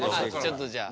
ちょっとじゃあ。